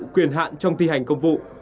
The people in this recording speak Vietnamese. quyền hạn trong thi hành công vụ